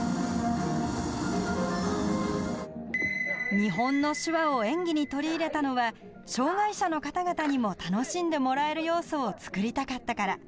日本の手話を演技に取り入れたのは障害者の方々にも楽しんでもらえる要素を作りたかったから。